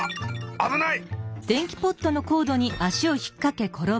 あぶない！